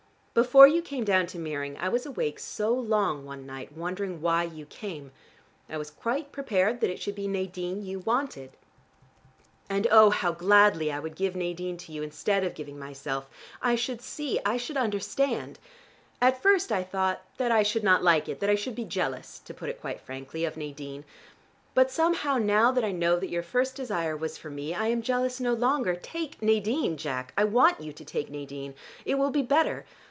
Before you came down to Meering I was awake so long one night, wondering why you came. I was quite prepared that it should be Nadine you wanted. And, oh, how gladly I would give Nadine to you, instead of giving myself: I should see: I should understand. At first I thought that I should not like it, that I should be jealous, to put it quite frankly, of Nadine. But somehow now that I know that your first desire was for me, I am jealous no longer. Take Nadine, Jack! I want you to take Nadine. It will be better.